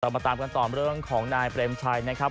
มาตามกันต่อเรื่องของนายเปรมชัยนะครับ